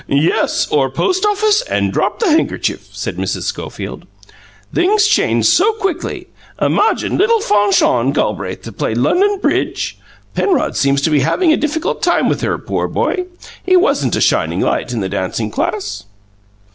"Yes, or 'Post office' and 'Drop the handkerchief,'" said Mrs. Schofield. "Things change so quickly. Imagine asking little Fanchon Gelbraith to play 'London Bridge'! Penrod seems to be having a difficult time with her, poor boy; he wasn't a shining light in the dancing class."